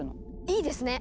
いいですね！